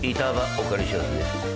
お借りしやすぜ。